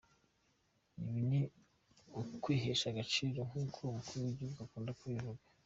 Ibi ni ukwihesha agaciro nk’uko umukuru w’igihugu akunda kubivuga”.